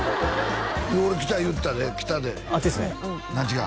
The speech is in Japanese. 俺北言うてたで北であっちですね違う？